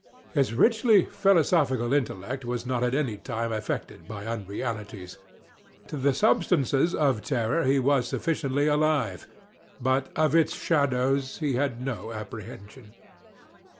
His richly philosophical intellect was not at any time affected by unrealities. To the substances of terror he was sufficiently alive, but of its shadows he had no apprehension.